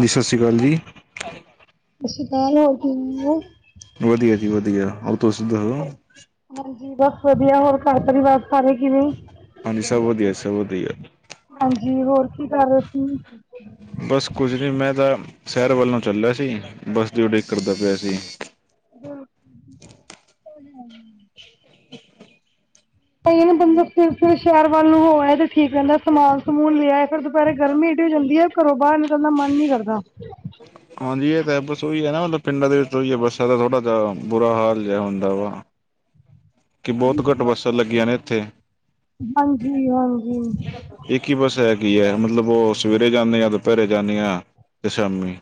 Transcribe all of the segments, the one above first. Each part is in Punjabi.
ਜੀ ਸਤਿ ਸ਼੍ਰੀ ਅਕਾਲ ਜੀ। ਸਤਿ ਸ਼੍ਰੀ ਅਕਾਲ ਹੋਰ ਕਿਵੇਂ ਓ? ਵਧੀਆ ਜੀ ਵਧੀਆ ਅਰ ਤੁਸੀ ਦੱਸੋ? ਹਾਂਜੀ ਬਸ ਵਧੀਆ ਹੋਰ ਘਰ ਪਰਿਵਾਰ ਸਾਰੇ ਕਿਵੇਂ, ਹਾਂਜੀ ਸਭ ਵਧੀਆ ਸਭ ਵਧੀਆ ਹਾਂਜੀ, ਹੋਰ ਕੀ ਕਰ ਰੇ ਤੁਸੀ? ਬਸ ਕੁਝ ਨੀ ਮੈਂ ਤਾਂ ਸੈ਼ਰ ਵੱਲ ਨੂੰ ਚੱਲੇਆ ਸੀ ਬੱਸ ਦੀ ਉਡੀਕ ਕਰਦਾ ਪੇਆ ਸੀ। [inaudible] ਤਾਂ ਏ ਨਾ ਬੰਦਾ ਸਵੇਰੇ ਸਵੇਰੇ ਸੈ਼ਰ ਵੱਲ ਨੂੰ ਹੋ ਆਏ ਤੇ ਠੀਕ ਰੈਂਦੈ ਸਮਾਨ ਸਮੂਨ ਲੇਆਏ ਫੇਰ ਦੁਪੋਰੇ ਗਰਮੀ ਏਡੀ ਹੋ ਜਾਂਦੀ ਐ। ਘਰੋਂ ਬਾਰ ਨਿਕਲਣ ਦਾ ਮਨ ਨੀ ਕਰਦਾ। ਹਾਂਜੀ ਏ ਤਾਂ ਹੈ। ਬਸ ਓਈ ਐ ਨਾ ਮਤਲਬ ਪਿੰਡਾਂ ਦੇ ਵਿੱਚ ਓਈ ਐ ਬੱਸਾਂ ਦਾ ਥੋੜ੍ਹਾ ਜਾ ਬੁਰਾ ਹਾਲ ਜੇਆ ਹੁੰਦਾ ਵਾ। ਕਿ ਬੋਤ ਘੱਟ ਬੱਸਾਂ ਲੱਗੀਆਂ ਨੇ ਏਥੇ। ਹਾਂਜੀ-ਹਾਂਜੀ ਇੱਕ ਈ ਬੱਸ ਹੈਗੀ ਐ। ਮਤਲਬ ਓ ਸਵੇਰੇ ਜਾਨੇ ਆਂ ਦੁਪੈਰੇ ਜਾਨੇ ਆਂ ਤੇ ਸ਼ਾਮੀ।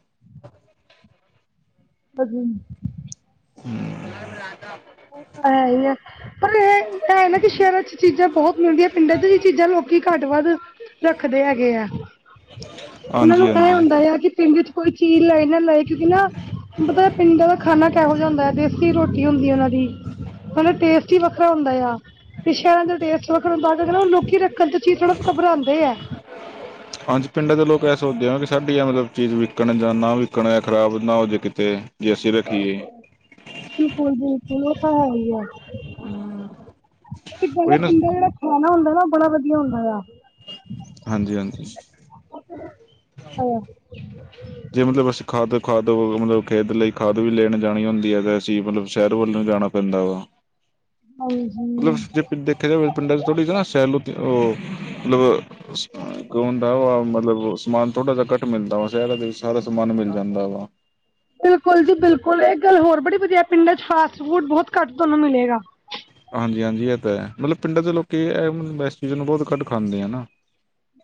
[unintelligible] [inaudible] ਉਹ ਤਾਂ ਹੈ ਈ ਐ। ਪਰ ਇਹ-ਕਐ ਹੈ ਨਾ ਕਿ ਸ਼ੈਰਾਂ ਚ ਚੀਜ਼ਾਂ ਬਹੁਤ ਮਿਲਦੀਆਂ ਪਿੰਡਾਂ ਚ ਹੀ ਚੀਜ਼ਾਂ ਲੋਕੀ ਘੱਟ ਵੱਧ ਰੱਖਦੇ ਹੈਗੇ ਆ। ਓਨਾਂ ਹਾਂਜੀ ਨੂੰ ਐ ਹਾਂਜੀ ਹੁੰਦਾ ਯਾ ਕਿ ਪਿੰਡ 'ਚ ਕੋਈ ਚੀਜ਼ ਲਏ ਨਾ ਲਾਏ ਕਿਉਂਕਿ ਨਾ ਪਤਾ ਪਿੰਡਾਂ ਦਾ ਖਾਨਾ ਕੈਹੋ ਜਾ ਹੁੰਦਾ, ਦੇਸੀ ਰੋਟੀ ਹੁੰਦੀ ਐ ਓਨਾਂ ਦੀ। ਮਤਲਬ ਟੇਸਟ ਈ ਵੱਖਰਾ ਹੁੰਦਾ ਯਾ। ਤੇ ਸ਼ੈਰਾਂ ਦਾ ਟੇਸਟ ਵੱਖਰਾ ਹੁੰਦਾ ਤਾਂ ਕਰਕੇ ਨਾ ਓ ਲੋਕੀਂ ਰਖ ਣ ਚੀ ਥੋੜਾ ਘਬਰਾਉਂਦੇ ਐ। ਹਾਂਜੀ, ਪਿੰਡਾਂ ਦੇ ਲੋਕ ਐ ਸੋਚਦੇ ਆ ਵੀ ਸਾਡੀ ਆ ਮਤਲਬ ਚੀਜ਼ ਵਿਕਣ ਜਾਂ ਨਾ ਵਿਕਣ, ਖ਼ਰਾਬ ਹੋਜ -ਨਾ ਹੋ ਜੇ ਕਿਤੇ ਜੇ ਅਸੀਂ ਰੱਖੀਏ। ਬਿਲਕੁਲ-ਬਿਲਕੁਲ ਓ ਤਾਂ ਹੈ ਈ ਐ। ਇੱਦਾਂ ਦੇ ਉਹੀ ਨਾ ਪਿੰਡਾਂ 'ਚ ਰੱਖ ਰੱਖਿਆ ਨਾ ਹੁੰਦਾ ਨਾ ਬੜਾ ਵਧੀਆ ਹੁੰਦੇ ਆ। ਹਾਂਜੀ- ਹਾਂਜੀ। ਕੱਟ ਦੇ, ਹੈਲੋ। ਜੇ ਮਤਲਬ ਅਸੀਂ ਖਾਦ-ਖਾਦ ਮਤਲਬ ਖੇਤ ਲਈ ਖਾਦ ਵੀ ਲੈਣ ਜਾਣੀ ਹੁੰਦੀ ਐ ਤੇ ਅਸੀਂ ਮਤਲਬ ਸ਼ਹਿਰ ਵੱਲ ਨੂੰ ਜਾਣਾ ਪੈਂਦਾ ਵਾ। ਹਾਂਜੀ। ਮਤਲਬ ਜੇ ਪਿੰ -ਦੇਖਿਆ ਜਾਵੇ, ਪਿੰਡਾਂ ਚ ਥੋੜ੍ਹੀ ਜੀ ਨਾ ਸੈਲੋ ਤੇ-ਓ ਮਤਲਬ ਸ-ਅੰ ਕੋਣ ਆਓ-ਆਓ ਮਤਲਬ ਸਮਾਨ ਥੋੜ੍ਹਾ ਜਾ ਘੱਟ ਮਿਲਦਾ ਵਾ, ਸ਼ੈਰਾਂ ਦੇ ਵਿੱਚ ਸਾਰਾ ਮਿਲ ਜਾਂਦਾ ਵਾ। ਬਿਲਕੁਲ ਜੀ ਬਿਲਕੁਲ! ਏਕ ਗੱਲ ਹੋਰ ਬੜੀ ਵਧੀਆ, ਪਿੰਡਾਂ ਚ ਫਾਸਟ ਫੂਡ ਬਹੁਤ ਘੱਟ ਤੁਆਨੂੰ ਮਿਲੇਗਾ? ਹਾਂਜੀ-ਹਾਂਜੀ ਏ ਤਾਂ ਹੈ। ਮਤਲਬ ਪਿੰਡਾਂ ਦੇ ਲੋਕੀ ਐ ਮਲਬ ਐਸ ਚੀਜ ਨੂੰ ਬਹੁਤ ਘੱਟ ਖਾਂਦੇ ਆ ਨਾ।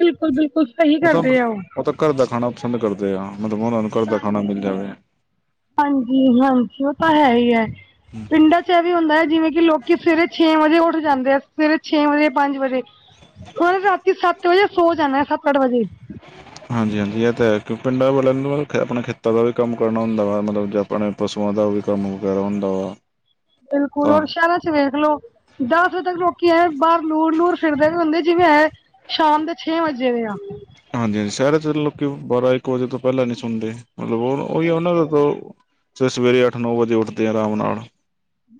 ਬਿਲਕੁਲ-ਬਿਲਕੁਲ ਸਹੀ ਉਹ ਤਾਂ ਕਰਦੇ ਆ ਓ। ਉਹ ਤਾਂ ਘਰ ਦਾ ਖਾਣਾ ਪਸੰਦ ਕਰਦੇ ਆ ਮਤਲਬ ਓਨਾਂ ਨੂੰ ਘਰ ਦਾ ਖਾਣਾ ਮਿਲ ਹਾਂਜੀ, ਜਾਵੇ ਹਾਂਜੀ-ਹਾਂਜੀ ਓ ਤਾਂ ਹੈ ਹੀ ਐ। ਪਿੰਡਾਂ 'ਚ ਵਿੱਚ ਏ ਵੀ ਹੁੰਦੈ ਜਿਵੇਂ ਕਿ ਲੋਕੀ ਸਵੇਰੇ ਛੇ ਵਜੇ ਉੱਠ ਜਾਂਦੇ ਐ, ਸਵੇਰੇ ਛੇ ਵਜੇ-ਪੰਜ ਵਜੇ। ਔਣੇ ਰਾਤੀ ਸੱਤ ਵਜੇ ਸੌ ਜਾਣਾ ਸੱਤ-ਅੱਠ ਵਜੇ। ਹਾਂਜੀ-ਹਾਂਜੀ ਐ ਤੇ ਹੈ। ਕਿਉਂ ਪਿੰਡਾਂ ਵਾਲਿਆਂ ਨੂੰ ਆਪੇ ਖ਼ੇ-ਆਪਣੇ ਖੇਤਾਂ ਦਾ ਵੀ ਕੰਮ ਕਰਨਾ ਹੁੰਦਾ ਵਾ ਮਤਲਬ ਕੀ ਆਪਣੇ ਪਸ਼ੂਆ ਦਾ ਵੀ ਕੰਮ ਵਗੇਰਾ ਹੁੰਦਾ ਗਾ। ਬਿਲਕੁਲ, ਹੁਣ ਸ਼ੈਰਾਂ ਚ ਵੇਖਲੋ! ਦਸ ਵਜੇ ਤੱਕ ਲੋਕੀਂ ਐਂ ਬਾਰ ਲੂਰ-ਲੂਰ ਫਿਰਦੇ ਪੇ ਹੁੰਦੇ ਜਿਵੇਂ ਐ ਸ਼ਾਮ ਦੇ ਛੇ ਵਜੇ ਵੇ ਆ। ਹਾਂਜੀ-ਹਾਂਜੀ ਸ਼ੈਰ ਚ ਲੋਕੀ ਬਾਰਾਂ-ਇੱਕ ਵਜੇ ਤੋਂ ਪੈਲਾਂ ਨੀ ਸੋਂਦੇ। ਮਤਲਬ ਓ-ਓਹੀ ਓਨਾਂ ਦਾ ਤੋ ਫੇ ਸਵੇਰੇ ਅੱਠ-ਨੌ ਵਜੇ ਉੱਠਦੇ ਆ ਆਰਾਮ ਨਾਲ।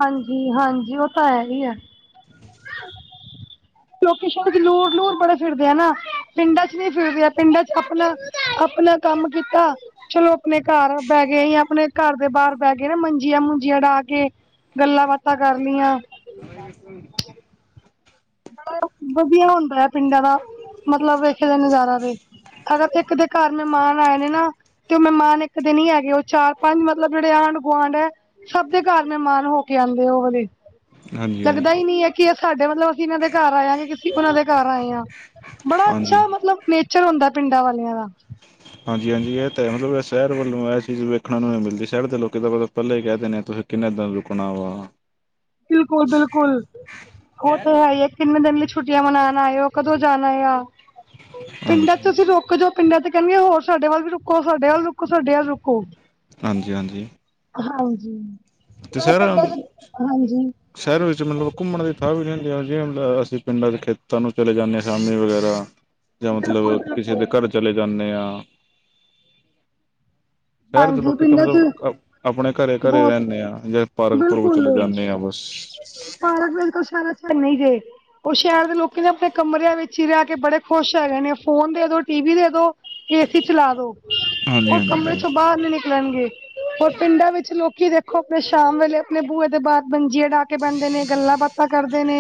ਹਾਂਜੀ-ਹਾਂਜੀ! ਓ ਤਾਂ ਹੈ ਈ ਐ। ਲੋਕੀ ਸ਼ੈਰ ਚ ਲੂਰ-ਲੂਰ ਬੜੇ ਫਿਰਦੇ ਆ ਨਾ, ਪਿੰਡਾਂ ਚ ਨੀ ਫਿਰਦੇ ਆ। ਪਿੰਡਾਂ ਚ ਆਪਣਾ ਆਪਣਾ ਕੰਮ ਕੀਤਾ ਚਲੋ ਆਪਣੇ ਘਰ ਪੈ ਗੇ ਯਾ ਆਪਣੇ ਘਰ ਦੇ ਬਾਰ ਪੈ ਗੇ ਨਾ ਮੰਜੀਆਂ-ਮੁੰਜੀਆਂ ਡਾ ਕੇ। ਗੱਲਾਂ-ਬਾਤਾਂ ਕਰ ਲੀਆਂ। [inaudible] ਬ ਵਧੀਆ ਹੁੰਦੈ ਪਿੰਡਾਂ ਦਾ ਮਤਲਬ ਏਥੇ ਦਾ ਨਜ਼ਾਰਾ ਦੇਖਕੇ ਅਗਰ ਇੱਕ ਦੇ ਘਰ ਮਹਿਮਾਨ ਆਏ ਨੇ ਨਾ ਤੇ ਓ ਮਹਿਮਾਨ ਇੱਕ ਦਿਨ ਨੀ ਹੈਗੇ, ਓ ਚਾਰ-ਪੰਜ ਮਤਲਬ ਜੇੜੇ ਆਂਢ-ਗੁਆਂਢ ਐ ਸਭ ਦੇ ਘਰ ਮਹਿਮਾਨ ਹੋ ਕੇ ਆਂਦੇ ਐ ਓ ਵਾਲੇ। ਹਾਂਜੀ ਹਾਂਜੀ ਲੱਗਦਾ ਈ ਨੀ ਐ ਕੀ ਐ ਸਾਡੇ ਮਤਲਬ ਅਸੀਂ ਇਨਾਂ ਦੇ ਘਰ ਆਏ ਆ ਕੇ ਅਸੀਂ ਓਨਾਂ ਦੇ ਘਰ ਆਏ ਆਂ। ਬੜਾ ਹਾਂਜੀ ਅੱਛਾ ਮਤਲਬ ਨੇਚਰ ਹੁੰਦੈ ਪਿੰਡਾਂ ਵਾਲਿਆਂ ਦਾ। ਹਾਂਜੀ-ਹਾਂਜੀ ਐ ਤਾਂ ਹੈ ਸ਼ੈਰ ਵੱਲੋਂ ਐ ਚੀਜ਼ ਵੇਖਣ ਨੂੰ ਨੀ ਮਿਲਦੀ, ਸ਼ੈਰ ਦੇ ਲੋਕੀ ਤਾਂ ਪੈਲੇ ਈ ਕੈ ਦਿੰਦੇ ਤੁਸੀਂ ਕਿੰਨੇ ਦਿਨ ਰੁਕਣਾ ਵਾ। ਬਿਲਕੁਲ-ਬਿਲਕੁਲ ਓ ਤੇ ਹੈ ਈ ਏ। ਕਿੰਨੇ ਦਿਨ ਲਈ ਛੁੱਟੀਆਂ ਮਨਾਣ ਆ ਓ, ਕਦੋਂ ਜਾਣਾ ਆ ਪਿੰਡਾਂ ਚ ਹਾਂਜੀ ਤੁਸੀਂ ਰੁਕ ਜੋ ਪਿੰਡਾਂ ਚ ਕਹਿਨੀਆਂ, ਹੋਰ ਸਾਡੇ ਵੱਲ ਵੀ ਰੁਕੋ, ਸਾਡੇ ਵੱਲ ਰੁਕੋ, ਸਾਡੇ ਵੱਲ ਵੀ ਰੁਕੋ। ਹਾਂਜੀ-ਹਾਂਜੀ। ਹਾਂਜੀ, ਆ ਪਿੰਡਾਂ 'ਚ ਹਾਂਜੀ। ਸ਼ਹਿਰ ਵਿੱਚ ਮਲਬ ਘੁੰਮਣ ਦੇ ਕਾਫੀ ਦਿਨ ਤੋਂ ਪਿੰਡੌਂ ਅਸੀਂ ਪਿੰਡਾਂ ਦੇ ਖੇਤਾਂ ਨੂੰ ਚਲੇ ਜਾਂਦੇ ਆਂ ਸ਼ਾਮੀ ਵਗੈਰਾ। ਜਾਂ ਮਤਲਬ ਬਿਲਕੁਲ ਕਿਸੇ ਬਿਲਕੁਲ ਦੇ ਘਰ ਚਲੇ ਜਾਨੇ ਆ। ਸ਼ੈਰ ਦੇ ਹਾਂਜੀ ਲੋਕੀ ਤਾਂ ਪਿੰਡਾਂ ਚ ਮਤਲਬ ਆਪਣੇ ਘਰੇ ਘਰੇ ਬਹੁਤ ਰੈਨੇ ਆਂ, ਜਾਂ ਪਾਰਕ ਪੂਰਕ ਚਲੇ ਜਾਨੇ ਆਂ। ਹ [inaudible] ਪਾਰਕ ਅਜਕਲ ਸ਼ੈਰਾਂ 'ਚ ਹੈ ਨੀ ਜੇ, ਓ ਸ਼ੈਰ ਦੇ ਲੋਕੀ ਨਾ ਆਪਣੇ ਕਮਰਿਆਂ ਵਿੱਚ ਵਿੱਚ ਈ ਰੇ ਕੇ ਬੜੇ ਖੁਸ਼ ਹੈਗੇ ਨੇ। ਫੋਨ ਦੇ ਦੋ, ਟੀ ਵੀ ਦੇ ਦੋ, ਏਸੀ ਚਲਾ ਦੋ। ਹਾਂਜੀ ਓ ਹਾਂਜੀ ਕਮਰੇ ਬਹੁਤ 'ਚੋਂ ਬਾਰ ਨੀ ਨਿਕਲਣਗੇ, ਹੋਰ ਪਿੰਡਾਂ ਵਿੱਚ ਲੋਕੀ ਦੇਖ ਦੇਖੋ, ਆਪਣੇ ਸ਼ਾਮ ਵੇਲੇ ਆਪਣੇ ਬੂਏ ਦੇ ਬਾਰ ਮੰਜੀਆਂ ਡਾ ਕੇ ਬੈਂਦੇ ਨੇ। ਗੱਲਾਂ-ਬਾਤਾਂ ਕਰਦੇ ਨੇ।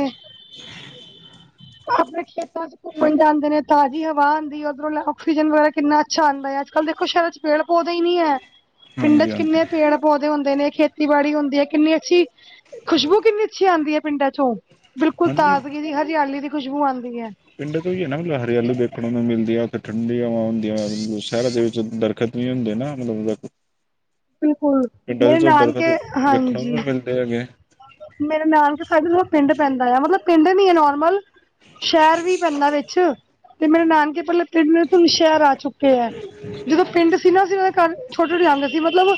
ਆਪਣੇ ਖੇਤਾਂ 'ਚ ਘੁੰਮਣ ਜਾਂਦੇ ਨੇ, ਤਾਜ਼ੀ ਹਵਾ ਆਂਦੀ, ਓਧਰੋਂ ਆਕਸੀਜਨ ਵਗੈਰਾ ਕਿੰਨਾ ਅੱਛਾ ਆਂਦਾ ਆ। ਅੱਜ-ਕੱਲ੍ਹ ਦੇਖੋ, ਸ਼ੈਰਾਂ 'ਚ ਪੇੜ ਪੌਦੇ ਈ ਨੀ ਐ। ਪਿੰਡਾਂ ਹਾਂਜੀ 'ਚ ਹਾਂਜੀ ਕਿੰਨੇ ਪੇੜ-ਪੌਦੇ ਹੁੰਦੇ ਨੇ। ਖੇਤੀਬਾੜੀ ਹੁੰਦੀ ਐ ਕਿੰਨੀ ਅੱਛੀ। ਖੁਸ਼ਬੂ ਕਿੰਨੀ ਅੱਛੀ ਆਂਦੀ ਏ ਪਿੰਡਾਂ ਚੋਂ, ਬਿਲਕੁਲ ਹਾਂਜੀ ਤਾਜ਼ਗੀ ਦੀ ਹਰਿਆਲੀ ਦੀ ਖੁਸ਼ਬੂ ਆਂਦੀ ਐ। ਪਿੰਡ ਤੋਂ ਓਈ ਐ ਨਾ ਮਤਲਬ ਹਰਿਆਲੀ ਦੇਖਣ ਨੂੰ ਮਿਲਦੀ, ਓਥੇ ਠੰਢੀਆਂ ਹਵਾ ਹੁੰਦੀਆਂ। ਸ਼ੈਰ ਦੇ ਵਿੱਚ ਦਰ ਖਤਮ ਈ ਹੁੰਦੇ ਨਾ, ਮਤਲਬ ਓ ਬਿਲਕੁਲ, ਮੇਰੇ ਨਾਨਕੇ ਹਾਂਜੀ। ਤੇ ਹੈਗੇ। ਮੇਰਾ ਨਾਨਕੇ ਸਾਇਡ ਨਾ ਪਿੰਡ ਪੈਂਦਾ, ਆ ਮਤਲਬ ਪਿੰਡ ਨੀ ਐ ਨੋਰਮਲ ਸ਼ੈਰ ਵੀ ਪੈਂਦਾ ਵਿੱਚ। ਅੱਛਾ ਤੇ ਮੇਰੇ ਨਾਨਕੇ ਪੈਲਾਂ ਪਿੰਡ ਵਿਚ ਸੀ ਹੁਣ ਸ਼ੈਰ ਆ ਚੁੱਕੇ ਐ। ਜਿਦੋਂ ਪਿੰਡ ਸੀ ਨਾ ਅਸੀਂ ਓਨਾ ਦੇ ਘਰ ਛੋਟੇ-ਛੋਟੇ ਆਂਂਦੇ ਸੀ, ਮਤਲਬ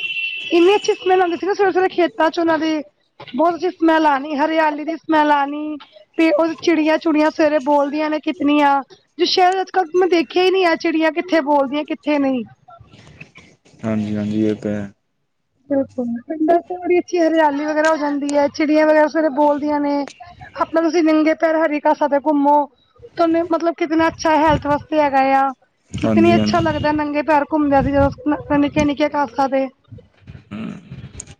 ਅੱਛੀ ਸਮੈਲ ਆਂਦੀ ਸੀ ਸਵੇਰੇ-ਸਵੇਰੇ ਖੇਤ ਚੋਂ ਓਨਾਂ ਦੇ ਬੋਤ ਅੱਛੀ ਸਮੈਲ ਆਣੀ, ਹਰਿਆਲੀ ਦੀ ਸਮੈਲ ਆਣੀ। ਤੇ ਓ ਚਿੜੀਆਂ ਚੁੜੀਆਂ ਸਵੇਰੇ ਬੋਲਦੀਆਂ ਨੇ ਕਿਤਨੀਆਂ। ਜੇ ਸ਼ੈਰ ਵਿਚ ਅੱਜ-ਤਕ ਮੈਂ ਦੇਖਿਆ ਈ ਨੀ ਐ, ਚਿੜੀਆਂ ਕਿੱਥੇ ਬੋਲਦੀਆਂ ਕਿੱਥੇ ਨਈ। ਹਾਂਜੀ ਹਾਂਜੀ ਏ ਤਾਂ ਐ। ਬਿਲਕੁਲ ਪਿੰਡ ਵਿੱਚ ਬੜੀ ਅੱਛੀ ਹਰਿਆਲੀ ਵਗੈਰਾ ਹੋ ਜਾਂਦੀ ਐ। ਚਿੜੀਆਂ ਵਗੈਰਾ ਸਵੇਰੇ ਸਵੇਰੇ ਬੋਲਦੀਆਂ ਨੇ। ਆਪਣਾ ਤੁਸੀ ਨੰਗੇ ਪੈਰ ਹਰੀ ਘਾਸਾਂ ਤੇ ਘੁੰਮੋ। ਤੁੁਆਨੂੰ ਮਤਲਬ ਕਿਤਨਾ ਅੱਛਾ ਹੈਲਥ ਵਾਸਤੇ ਹੈਗਾ ਆ। ਕਿਤਨੀ ਹਾਂਜੀ ਅੱਛਾ ਹਾਂਜੀ ਲੱਗਦਾ ਨੰਗੇ ਪੈਰ ਘੁੰਮਦੇ ਸੀ, ਅਸੀ ਜਦੋਂ ਨਿੱਕੇ ਨਿੱਕੇ ਘਾਸਾਂ ਤੇ।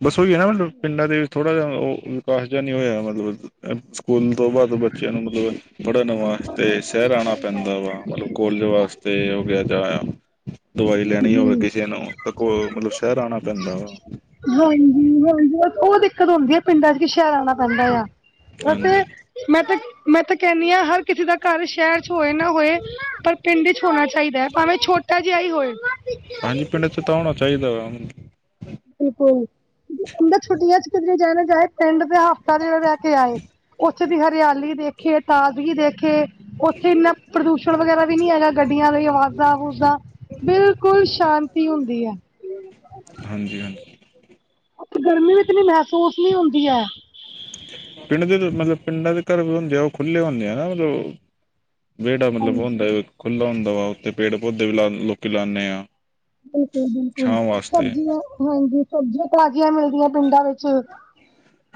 ਬਸ ਓਈ ਐ ਨਾ ਪਿੰਡਾਂ ਦੇ ਥੋੜ੍ਹਾ ਜਿਆ ਓ ਵਿਕਾਸ ਜਿਆ ਨੀ ਹੋਇਆ ਮਤਲਬ। ਐ ਸਕੂਲ ਤੋਂ ਬਾਦ ਬੱਚਿਆਂ ਨੂੰ ਮਤਲਬ ਪੜ੍ਹਨ ਬਿਲਕੁਲ ਵਾਸਤੇ ਬਿਲਕੁਲ ਸ਼ੈਰ ਜੀ ਆਣਾ ਸਹੀ ਪੈਂਦਾ ਵਾ, ਮਤਲਬ ਕੋਲਜ ਵਾਸਤੇ ਹੋ ਗਿਆ ਜਾਂ ਦਵਾਈ ਲੈਣੀ ਹੋਵੇ ਜੀ ਕਿਸੇ ਨੂੰ ਤਾਂ ਕੋ ਮਤਲਬ ਸ਼ੈਰ ਆਣਾ ਪੈਂਦਾ ਵਾ। ਹਾਂਜੀ ਹਾਂਜੀ ਓ ਦਿੱਕਤ ਹੁੰਦੀ ਏ ਪਿੰਡਾਂ 'ਚ ਕੀ ਸ਼ੈਰ ਆਣਾ ਪੈਂਦਾ ਆ। ਵੈਸੇ ਹਾਂਜੀ ਮੈਂ ਤੇ ਮੈਂ ਤੇ ਕੈਨੀ ਆਂ, ਹਰ ਕਿਸੀ ਦਾ ਘਰ ਸ਼ੈਰ 'ਚ ਹੋਏ ਨਾ ਹੋਏ ਪਰ ਪਿੰਡ 'ਚ ਹੋਣਾ ਚਾਈਦਾ, ਭਾਵੇਂ ਛੋਟਾ ਜਿਆ ਈ ਹੋਏ। ਹਾਂਜੀ ਪਿੰਡ 'ਚ ਤਾਂ ਹੋਣਾ ਚਾਈਦਾ ਵਾ। ਬਿਲਕੁਲ, ਬੰਦਾ ਛੁੱਟੀਆਂ 'ਚ ਕਿਧਰੇ ਜਾਏ ਨਾ ਜਾਏ ਪਿੰਡ ਫੇਰ ਹਫ਼ਤਾ ਚਲੋ ਰੈ ਕੇ ਆਏ। ਉਸ ਦੀ ਹਰਿਆਲੀ ਦੇਖੀ ਏ, ਤਾਜ਼ਗੀ ਦੇਖੇ। ਉੱਥੇ ਇੰਨਾ ਪੋਲੂਸ਼ਨ ਵਗੈਰਾ ਵੀ ਨਹੀਂ ਹੈਗਾ। ਗੱਡੀਆਂ ਦੀ ਆਵਾਜ਼ਾਂ ਅਵੁਜ਼ਾਂ ਬਿਲਕੁਲ ਸ਼ਾਂਤੀ ਹੁੰਦੀ ਏ। ਹਾਂਜੀ ਹਾਂਜੀ। ਗਰਮੀ ਵੀ ਇਤਨੀ ਮਹਿਸੂਸ ਨਹੀਂ ਹੁੰਦੀ ਐ। ਪਿੰਡ ਦੇ ਮਤਲਬ ਪਿੰਡਾ ਦੇ ਘਰ ਹੁੰਦੇ ਆ ਉਹ ਖੁੱਲ੍ਹੇ ਹੁੰਦੇ ਆ ਨਾ ਵਿਹੜਾ ਮਤਲਬ ਹਾਂਜੀ ਹੁੰਦਾ ਖੁੱਲ੍ਹਾ ਹੁੰਦਾ ਵਾ, ਉੱਥੇ ਪੇੜ ਪੌਧੇ ਵੀ ਲਾ ਲੋਕੀ ਲਾਨੇ ਆ। ਬਿਲਕੁਲ ਬਿਲਕੁਲ। ਛਾਂ ਵਾਸਤੇ ਸਬਜ਼ੀਆਂ ਹਾਂਜੀ। ਸਬਜ਼ੀਆਂ ਤਾਜ਼ੀਆਂ ਮਿਲਦੀਆਂ ਪਿੰਡਾਂ ਵਿੱਚ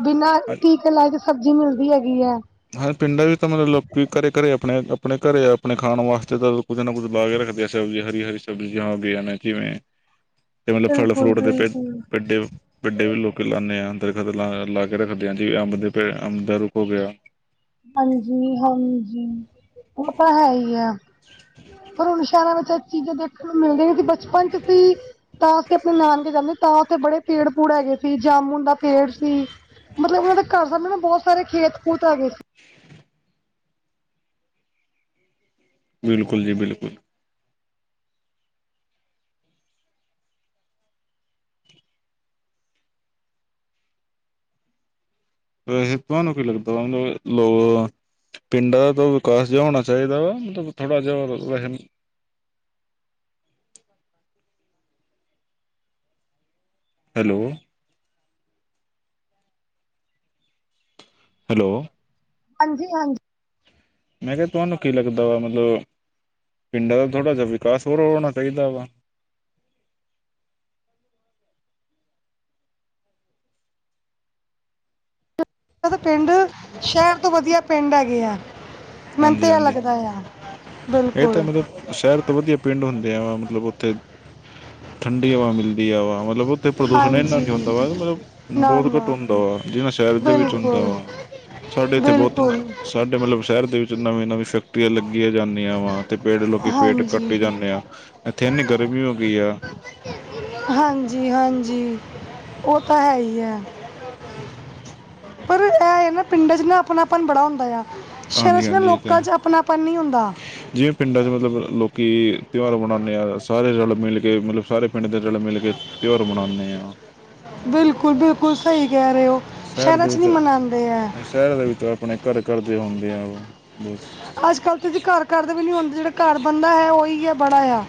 ਬਿਨਾਂ ਟੀਕੇ ਲਾਏ। ਸਬਜ਼ੀ ਮਿਲਦੀ ਹੈਗੀ ਐ। ਹਰ ਪਿੰਡਾਂ ਵਿੱਚ ਤਾਂ ਮਤਲਬ ਲੋਕੀ ਘਰੇ-ਘਰੇ ਆਪਣੇ-ਆਪਣੇ ਘਰੇ ਆਪਣੇ ਖਾਣ ਵਾਸਤੇ ਤਾਂ ਕੁਛ ਨਾ ਕੁਛ ਲਾਕੇ ਰੱਖਦੇ ਸਬਜ਼ੀ ਹਰੀ-ਹਰੀ ਸਬਜਿਆਂ ਵੀ ਹੈਨਾ ਜਿਵੇਂ [inaudible] ਤੇ ਮਤਲਬ ਫਲ-ਫਰੂਟ ਦੇ ਤੇ ਬਿਲਕੁਲ ਵੱਡੇ ਵੱਡੇ ਵੀ ਲੋਕ ਲਾਨੇ ਆ ਦਰਖ਼ਤ ਲਾ ਕੇ ਰੱਖਦੇ ਆਂ ਜਿਵੇਂ ਅੰਬ ਦੇ ਪ ਅੰਬ ਦਾ ਰੁੱਖ ਹੋ ਗਿਆ। ਹਾਂਜੀ, ਹਾਂਜੀ ਉਹ ਤਾਂ ਹੈ ਈ ਐ। ਪਰ ਹੁਣ ਸ਼ਹਿਰਾਂ ਵਿੱਚ ਇਹ ਚੀਜ਼ਾਂ ਦੇਖਣ ਨੂੰ ਮਿਲਦੀ ਬਚਪਨ ਚ ਅਸੀਂ ਤਾਂ ਅਸੀਂ ਆਪਣੇ ਨਾਨਕੇ ਜਾਂਦੇ ਤਾਂ ਉੱਥੇ ਬੜੇ ਪੇੜ-ਪੂੜ ਹੈਗੇ ਸੀ ਜਾਮੁਣ ਦਾ ਪੇੜ ਸੀ। ਮਤਲਬ ਉਨਾਂ ਦੇ ਘਰ ਸਾਹਮਣੇ ਨਾ ਬਹੁਤ ਸਾਰੇ ਖੇਤ-ਖੂਤ ਹੈਗੇ ਸੀ। ਬਿਲਕੁਲ ਜੀ ਬਿਲਕੁਲ। ਵੇਸੈ ਤੁਆਨੂੰ ਕੀ ਲੱਗਦਾ ਮਤਲਬ ਲੋਗ ਆ ਪਿੰਡਾਂ ਦਾ ਤਾਂ ਵਿਕਾਸ ਜਿਹਾ ਹੋਣਾ ਚਾਹੀਦਾ ਵਾ, ਮਤਲਬ ਥੋੜ੍ਹਾ ਜਿਹਾ ਵ ਹੈਲੋ। ਹੈਲੋ। ਹਾਂਜੀ ਹਾਂਜੀ ਮੈਂ ਕਿਹਾ ਤੁਆਨੂੰ ਕੀ ਲੱਗਦਾ ਵਾ ਮਤਲਬ ਪਿੰਡਾਂ ਦਾ ਥੋੜ੍ਹਾ ਜਿਹਾ ਵਿਕਾਸ ਹੋਰ ਹੋਣਾ ਚਾਹੀਦਾ ਵਾ। ਪਿੰਡ ਸ਼ਹਿਰ ਤੋਂ ਵਧੀਆ ਪਿੰਡ ਹੈਗੇ ਆ, ਮੈਨੂੰ ਹਾਂਜੀ ਤੇ ਐ ਹਾਂਜੀ ਲੱਗਦਾ ਆ ਇਹ ਤਾਂ ਬਿਲਕੁਲ ਮਤਲਬ ਸ਼ਹਿਰ ਵਧੀਆ ਪਿੰਡ ਹੁੰਦੇ ਆ ਵਾ ਮਤਲਬ ਉੱਥੇ, ਠੰਡੀ ਹਵਾ ਮਿਲਦੀ ਆ ਵਾ ਮਤਲਬ ਤੇ ਪ੍ਰਦੂਸ਼ਣ ਇੰਨਾ ਹਾਂਜੀ ਨੀ ਹੁੰਦਾ ਵਾ, ਮਤਲਬ ਨਾ ਬਹੁਤ ਘੱਟ ਨਾ ਹੁੰਦਾ ਵਾ ਜਿਨਾ ਸ਼ਹਿਰ ਦੇ ਵਿੱਚ ਹੁੰਦਾ ਬਿਲਕੁਲ ਵਾ ਸਾਡੇ ਇੱਥੇ ਬਹੁਤ ਹੁੰਦਾ ਬਿਲਕੁਲ ਐ, ਸਾਡੇ ਮਤਲਬ ਸ਼ਹਿਰ ਦੇ ਵਿੱਚ ਨਵੀਂ- ਨਵੀਂ ਫੈਕਟਰੀਆਂ ਲੱਗੀਆਂ ਜਾਂਦੀ ਠੰਡੀ ਹਵਾ ਤੇ ਪੇੜ ਲੋਕੀ ਪੇੜ ਹਾਂਜੀ ਕੱਟੀ ਜਾਂਨੇ ਆ, ਇੱਥੇ ਇੰਨੀ ਗਰਮੀ ਹੋ ਗਈ ਆ ਹਾਂਜੀ, ਹਾਂਜੀ ਉਹ ਤਾਂ ਹੈ‌ ਈ ਐ। [inaudible] ਪਰ ਇਹ ਏ ਨਾ ਪਿੰਡਾਂ ਚ ਨਾ ਆਪਣਾਪਨ ਬੜਾ ਹੁੰਦਾ ਆ। ਹਾਂਜੀ ਸ਼ਹਿਰਾਂ'ਚ ਨਾ ਹਾਂਜੀ ਇਹ ਤਾਂ ਲੋਕਾਂ ਹੈ 'ਚ ਆਪਣਾਪਨ ਨੀ ਹੁੰਦਾ। ਜਿਵੇਂ ਪਿੰਡਾਂ ਚ ਮਤਲਬ ਲੋਕੀ ਤਿਉਹਾਰ ਮਨਾਣੇ ਆਂ, ਸਾਰੇ ਰਲ- ਮਿਲ ਕੇ ਮਤਲਬ ਸਾਰੇ ਪਿੰਡ ਦੇ ਰਲ-ਮਿਲ ਕੇ ਤਿਉਹਾਰ ਮਨਾਣੇ ਆਂ। ਬਿਲਕੁਲ, ਬਿਲਕੁਲ ਸਹੀ ਕਹਿ ਰਏ ਓ। ਸ਼ਹਿਰ ਦੇ ਵਿੱਚ, ਨਹੀਂ ਸ਼ਹਿਰ ਦੇ ਵਿੱਚ ਆਪਣੇ ਘਰ-ਘਰ ਦੇ ਹੁੰਦੇ ਆ ਉਹ ਬਸ ਅੱਜ-ਕੱਲ੍ਹ ਤੇ ਜੇ ਘਰ ਘਰਦੇ ਵੀ ਨੀ ਹੁੰਦੇ, ਜੇੜਾ ਘਰ ਬੰਦਾ ਹੈ ਉਹੀ ਹੈ ਬੜਾ ਆ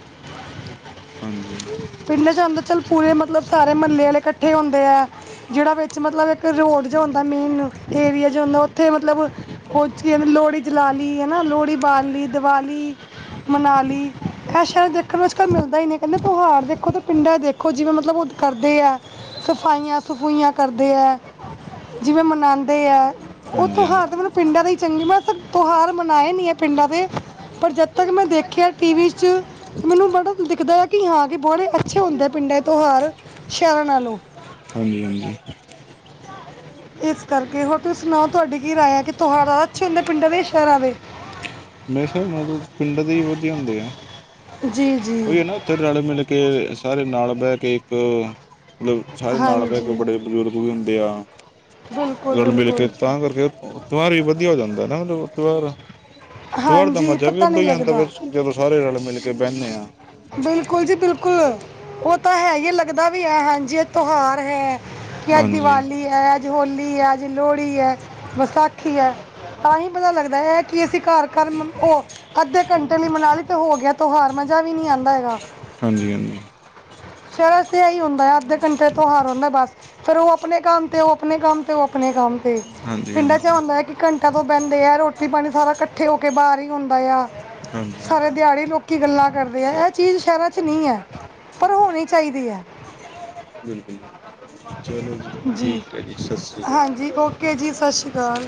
ਹਾਂਜੀ। ਪਿੰਡ ਚ ਆਂਦਾ ਚੱਲ ਪੂਰੇ ਮਤਲਬ ਸਾਰੇ ਮੱਹਲੇ ਵਾਲੇ ਕੱਠੇ ਹੁੰਦੇ ਆ। ਜੇੜਾ ਵਿੱਚ ਮਤਲਬ ਇੱਕ ਰੋਡ ਜਾ ਹੁੰਦਾ ਮੇਨ ਏਰੀਆ ਜਾ ਹੁੰਦਾ ਮਤਲਬ ਉਹ'ਚ ਕੀ ਕਹਿੰਦੇ ਲੋਹੜੀ ਜਲਾ ਲੀ ਹਨਾ ਲੋਹੜੀ ਬਾਲ ਲੀ ਦਿਵਾਲੀ ਮਨਾ ਲਈ ਇਹ ਸ਼ਹਿਰਾਂ ਦੇਖਣ ਨੂੰ ਅੱਜ-ਕੱਲ੍ਹ ਮਿਲਦਾ ਈ ਨੀ ਕਹਿੰਦੇ ਤਿਉਹਾਰ ਦੇਖੋ ਤੇ ਪਿੰਡਾਂ ਦੇਖੋ ਜਿਵੇਂ ਮਤਲਬ ਉਹ ਕਰਦੇ ਆ ਸਫਾਈਆਂ-ਸਫੁਈਆਂ ਕਰਦੇ ਹੈ ਜਿਵੇਂ ਮਨਾਂਦੇ ਆ ਉਹ ਹਾਂਜੀ ਹਾਂਜੀ ਤਿਉਹਾਰ ਤੇ ਮੈਨੂੰ ਪਿੰਡਾਂ ਦੇ ਈ ਚੰਗੀ [unintelligible] ਤਿਉਹਾਰ ਮਨਾਏ ਨੀ ਏ ਪਿੰਡਾਂ ਦੇ ਪਰ ਜਦ ਤੱਕ ਮੈਂ ਦੇਖਿਆ ਟੀ ਵੀ 'ਚ ਮੈਨੂੰ ਬੜਾ ਦਿਖਦਾ ਏ ਕਿ ਹਾਂ ਕਿ ਬੜੇ ਅੱਛੇ ਹੁੰਦੇ ਪਿੰਡਾਂ ਦੇ ਤਿਉਹਾਰ ਸ਼ਹਿਰਾਂ ਨਾਲੋਂ ਹਾਂਜੀ, ਹਾਂਜੀ। ਇਸ ਕਰਕੇ ਹੋਰ ਤੁਸੀਂ ਸੁਣਾਉ ਤੁਹਾਡੀ ਕੀ ਰਾਏ ਹੈ ਕਿ ਤਿਉਹਾਰ ਅੱਛੇ ਹੁੰਦੇ ਪਿੰਡਾਂ ਦੇ ਜਾਂ ਸ਼ਹਿਰਾਂ ਦੇ ਮੇਰੇ ਹਿਸਾਬ ਨਾਲ ਪਿੰਡਾਂ ਦੇ ਈ ਵਧੀਆ ਹੁੰਦੇ ਆ ਜੀ ਜੀ ਉਹੀ ਏ ਨਾ ਉੱਥੇ ਰਲ-ਮਿਲ ਕੇ ਸਾਰੇ ਨਾਲ ਬਹਿ ਕੇ ਇੱਕ ਮਤਲਬ ਸਾਰੇ ਨਾਲ ਬਹਿ ਕੇ ਹਾਂਜੀ ਬੜੇ ਬਜ਼ੁਰਗ ਹੁੰਦੇ ਆ ਬਿਲਕੁਲ ਰਲ-ਮਿਲ ਕੇ ਬਿਲਕੁਲ ਤਾਂ ਕਰਕੇ ਤਿਉਹਾਰ ਵੀ ਵਧੀਆ ਹੋ ਜਾਂਦਾ ਨਾ ਮਤਲਬ ਤਿਉਹਾਰ। ਤਿਉਹਾਰ ਦਾ ਹਾਂਜੀ ਮਜ਼ਾ ਵੀ ਪਤਾ ਨਹੀਂ ਓਦੇਂ ਈ ਲੱਗਦਾ ਆਂਦੇ ਜਦੋਂ ਸਾਰੇ ਜਾਣੇ ਮਿਲ ਕੇ ਬਹਿਨੇ ਆ। ਬਿਲਕੁਲ ਜੀ ਬਿਲਕੁਲ ਉਹ ਤਾਂ ਹੈ ਹੀ ਲੱਗਦਾ ਵੀ ਹੈ ਹਾਂਜੀ ਇਹ ਤਿਉਹਾਰ ਹੈ। ਕਿ ਅੱਜ ਹਾਂਜੀ ਦੀਵਾਲੀ ਏ ਅੱਜ ਹੋਲੀ ਏ ਅੱਜ ਲੋਹੜੀ ਏ ਵਿਸਾਖੀ ਏ ਤਾਂ ਹੀ ਪਤਾ ਲੱਗਦਾ ਹੈ ਕਿ ਅਸੀਂ ਘਰ ਘਰ ਮ ਉਹ ਅੱਧੇ ਘੰਟੇ ਲਈ ਮਨਾ‌ ਲੀ ਤੇ ਹੋ ਗਿਆ ਤਿਉਹਾਰ ਮਜ਼ਾ ਵੀ ਨ੍ਹੀਂ ਆਂਦਾ ਹੈਗਾ। ਹਾਂਜੀ ਹਾਂਜੀ। ਸ਼ਹਿਰਾ ਚ ਤਾਂ ਆਈ ਹੁੰਦਾ ਅੱਧੇ ਘੰਟੇ ਤਿਉਹਾਰ ਹੁੰਦਾ ਬਸ ਫ਼ੇਰ ਉਹ ਆਪਣੇ ਕੰਮ ਤੇ ਉਹ ਆਪਣੇ ਕੰਮ ਤੇ ਉਹ ਆਪਣੇ ਕੰਮ ਤੇ ਤੇ ਹਾਂਜੀ ਪਿੰਡਾਂ 'ਚ ਹਾਂਜੀ ਆਂਉਦਾ ਆ ਕਿ ਘੰਟਾ ਤੋਂ ਬਹਿੰਦੇ ਆ ਰੋਟੀ ਪਾਣੀ ਸਾਰਾ ਇਕੱਠੇ ਹੋ ਕੇ ਬਾਹਰ ਹੀ ਹੁੰਦਾ ਆ। ਹਾਂਜੀ ਸਾਰਾ ਹਾਂਜੀ ਦਿਹਾੜੀ ਲੋਕੀਂ ਗੱਲਾਂ ਕਰਦੇ ਆ ਚਲੋ ਇਹ ਚੀਜ਼ ਸ਼ਹਿਰਾਂ ਚ ਨ੍ਹੀਂ ਏ। ਪਰ ਹੋਣੀ ਚਾਹੀਦੀ ਏ। ਬਿਲਕੁਲੁ ਚਲੋ ਜੀ ਠੀਕ ਹੈ ਜੀ ਸਸ੍ਰੀ ਕਾਲ। ਉਕੇ ਜੀ ਸਸ਼੍ਰੀ ਕਾਲ।